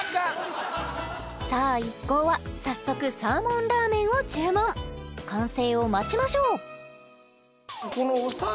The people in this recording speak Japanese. さあ一行は早速サーモンラーメンを注文完成を待ちましょう！